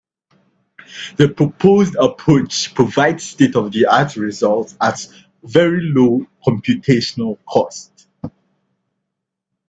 The proposed approach provides state-of-the-art results at very low computational cost.